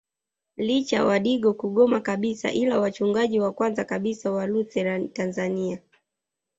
Licha wadigo kugoma kabisa ila mchungaji wa kwanza kabisa wa Lutheran Tanzania